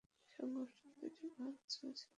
সংগঠন দুইটি ভালো চলেছিল না।